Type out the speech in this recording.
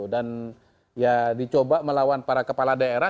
ya dicoba melawan para kepala daerah